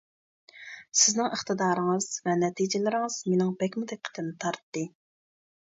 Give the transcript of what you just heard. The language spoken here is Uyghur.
سىزنىڭ ئىقتىدارىڭىز، ۋە نەتىجىلىرىڭىز مېنىڭ بەكمۇ دىققىتىمنى تارتتى.